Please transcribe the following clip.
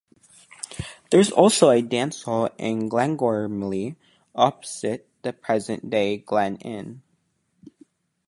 There is also a dance hall in Glengormley, opposite the present day Glen Inn.